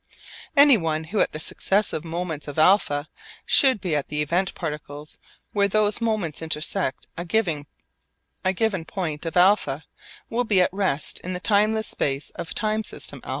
Anyone who at the successive moments of α should be at the event particles where those moments intersect a given point of α will be at rest in the timeless space of time system α.